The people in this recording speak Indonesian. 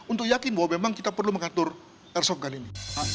untuk yakin bahwa memang kita perlu mengatur airsoft gun ini